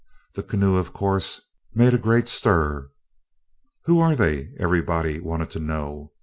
The canoe, of course, made a great stir. "Who are they?" everybody wanted to know.